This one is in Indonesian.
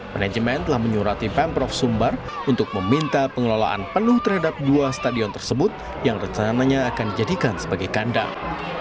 manajemen telah menyurati pemprov sumbar untuk meminta pengelolaan penuh terhadap dua stadion tersebut yang rencananya akan dijadikan sebagai kandang